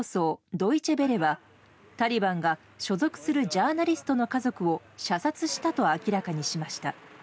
ドイチェ・ヴェレはタリバンが所属するジャーナリストの家族を射殺したと明らかにしました。